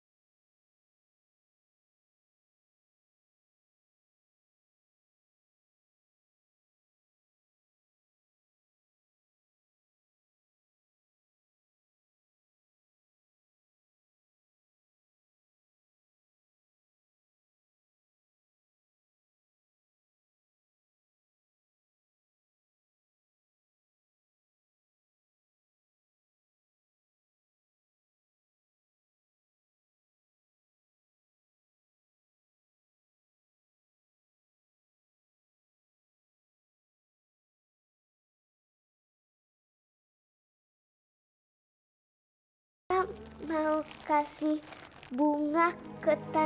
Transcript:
tapi liksom kepadamu lebih capit